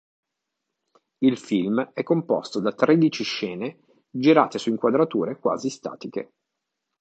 Il film è composto da tredici scene girate su inquadrature quasi statiche.